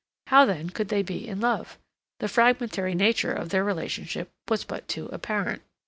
How, then, could they be in love? The fragmentary nature of their relationship was but too apparent.